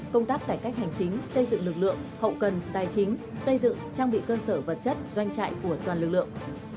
công tác cải cách hành chính xây dựng lực lượng hậu cần tài chính xây dựng trang bị cơ sở vật chất doanh trại của toàn lực lượng